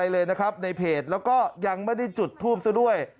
เลยนะครับในเพจแล้วก็ยังไม่ได้จุดทูปซะด้วย